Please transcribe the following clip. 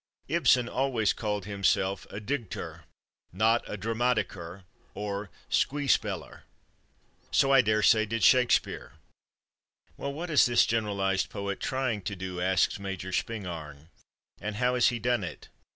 Ibsen always called himself a Digter, not a Dramatiker or Skuespiller. So, I daresay, did Shakespeare.... Well, what is this generalized poet trying to do? asks Major Spingarn, and how has he done it?